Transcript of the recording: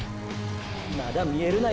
まだ見えるなよ